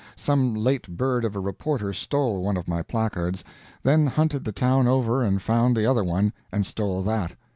Some late bird of a reporter stole one of my placards, then hunted the town over and found the other one, and stole that.